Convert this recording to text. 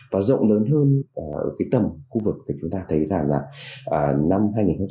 và rộng lớn hơn ở tầm khu vực thì chúng ta thấy rằng là năm hai nghìn hai mươi một